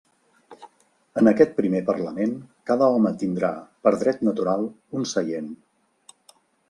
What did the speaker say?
En aquest primer parlament cada home tindrà, per dret natural, un seient.